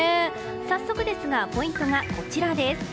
早速ですがポイントがこちらです。